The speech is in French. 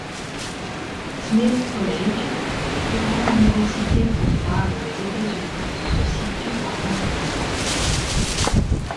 Smith College, la plus grande université pour femmes des États-Unis, se situe à Northampton.